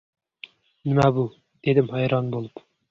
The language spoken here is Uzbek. — Nima bu? — dedim hayron bo‘lib.